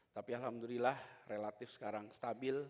tapi alhamdulillah relatif sekarang stabil